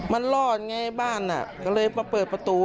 มันรอดไงบ้านก็เลยมาเปิดประตู